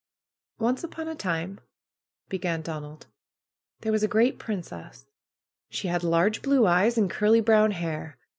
^^Once upon a time," began Donald, ^Hhere was a great princess. She had large blue eyes and curly brown hair.